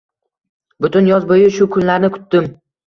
Butun yoz bo‘yi shu kunlarni kutdim